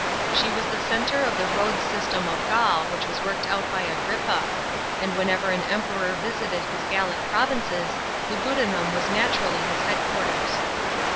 She was the centre of the road system of Gaul, which was worked out by Agrippa; and whenever an Emperor visited his Gallic provinces, Lugudunum was naturally his head quarters.